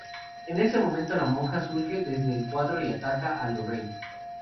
En ese momento, la monja surge desde el cuadro y ataca a Lorraine.